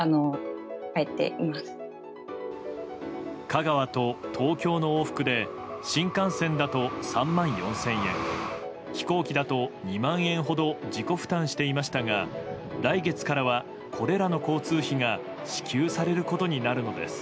香川と東京の往復で新幹線だと３万４０００円飛行機だと２万円ほど自己負担していましたが来月からは、これらの交通費が支給されることになるのです。